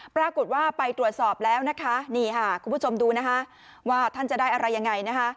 ปรากฏว่าไปตรวจสอบแล้วนะคะคุณผู้ชมดูว่าท่านจะได้อะไรอย่างไร